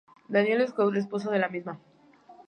Daniel Scout, esposo de la misma.